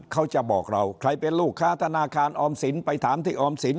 เขาจะบอกเราใครเป็นลูกค้าธนาคารออมสินไปถามที่ออมสิน